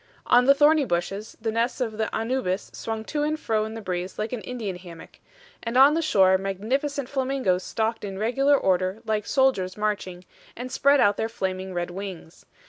On the thorny bushes the nests of the ANNUBIS swung to and fro in the breeze like an Indian hammock; and on the shore magnificent flamingos stalked in regular order like soldiers marching, and spread out their flaming red wings.